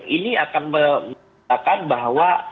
ini akan membuktikan bahwa